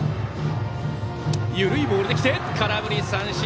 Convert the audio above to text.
緩いボールで来て空振り三振！